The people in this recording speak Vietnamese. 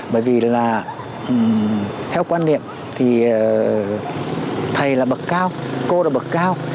bởi vì là theo quan niệm thì thầy là bậc cao cô là bậc cao